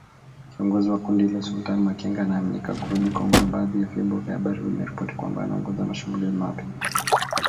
Kiongozi wa kundi hilo Sultani Makenga anaaminika kurudi Kongo na badhi ya vyombo vya habari vimeripoti kwamba anaongoza mashambulizi mapya